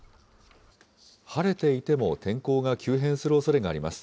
晴れていても天候が急変するおそれがあります。